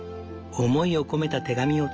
思いを込めた手紙を投かん。